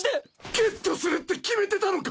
ゲットするって決めてたのか！？